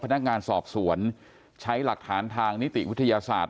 พนักงานสอบสวนใช้หลักฐานทางนิติวิทยาศาสตร์